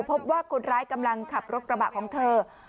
พบว่าคนร้ายกำลังขับรถกระบะของเธอ